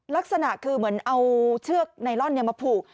ลักษณะคือเหมือนเอาเชือกไนลอนมาผูก